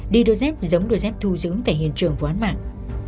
đi đôi dép giống đôi dép thu giữ tại hiện trường vụ án mạng